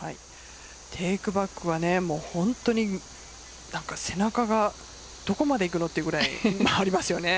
テークバックは本当に背中がどこまでいくのというぐらい回りますよね。